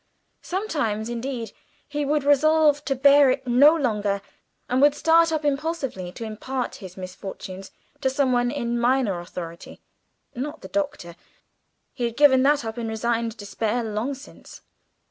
Sometimes, indeed, he would resolve to bear it no longer, and would start up impulsively to impart his misfortunes to some one in minor authority not the Doctor, he had given that up in resigned despair long since.